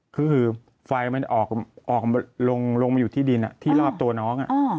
คือไฟมันออกมาอยู่ที่ดินที่รอบตัวน้อง